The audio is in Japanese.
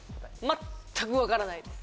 全く分からないです